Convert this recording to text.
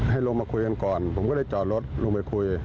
ลงมาคุยกันก่อนผมก็เลยจอดรถลงไปคุย